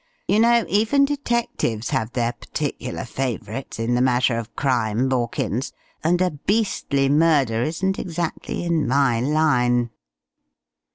You know, even detectives have their particular favourites in the matter of crime, Borkins, and a beastly murder isn't exactly in my line."